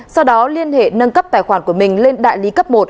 sau đó liên hệ nâng cấp tài khoản của mình lên đại lý cấp một